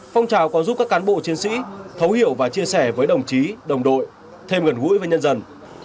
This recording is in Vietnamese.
phong trào có giúp các cán bộ chiến sĩ thấu hiểu và chia sẻ với đồng chí đồng đội thêm gần gũi với nhân dân